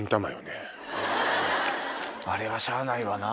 あれはしゃあないわな。